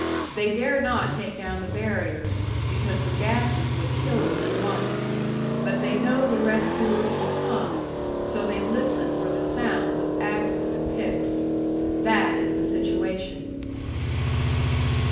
They dare not take down the barriers, because the gases would kill them at once. But they know the rescuers will come, so they listen for the sounds of axes and picks. That is the situation."